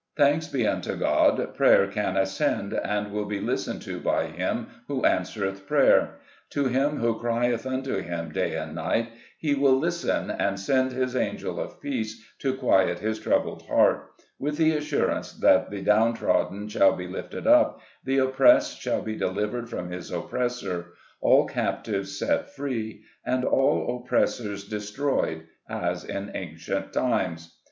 Thanks be unto God, prayer can ascend, and will be listened to by Him who answereth prayer ! To him who crieth unto Him day and night, He will lis ten, and send His angel of peace to quiet his troubled heart, with the assurance that the down trodden shall be lifted up, the oppressed shall be delivered from his oppressor, all captives set free, and all oppressors destroyed, as in ancient times.